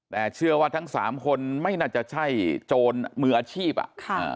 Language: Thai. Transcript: แต่เชื่อว่าทั้งสามคนไม่น่าจะใช่โจรมืออาชีพอ่ะค่ะ